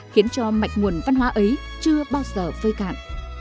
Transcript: khiến cho mạch nguồn văn hóa ấy chưa bao giờ phơi cạn